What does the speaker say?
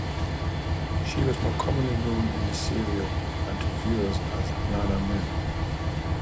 She was more commonly known in the serial and to viewers as Nana Moon.